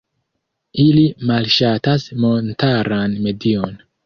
Ili malŝatas montaran medion.